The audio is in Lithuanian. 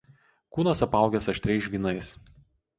Kūnas apaugęs aštriais žvynais.